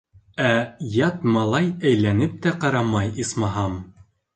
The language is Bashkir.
Ә ят малай әйләнеп тә ҡарамай, исмаһам.